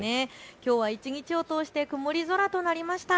きょうは一日を通して曇り空となりました。